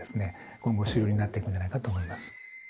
今後主流になっていくんじゃないかと思います。